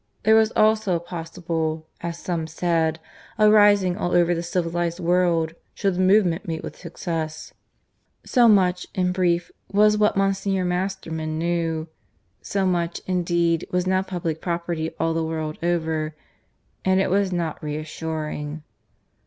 There was also possible, as some said, a rising all over the civilized world, should the movement meet with success. So much, in brief, was what Monsignor Masterman knew. So much, indeed, was now public property all the world over, and it was not reassuring.